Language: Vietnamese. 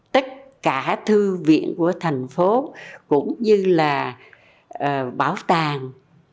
tất cả thư viện của thành phố cũng như là bảo tàng